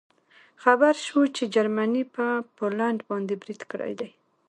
خبر شوو چې جرمني په پولنډ باندې برید کړی دی